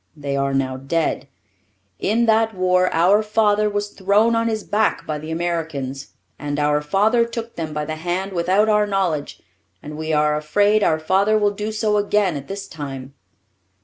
They are now dead. In that war our father was thrown on his back by the Americans; and our father took them by the hand without our knowledge; and we are afraid our father will do so again at this time.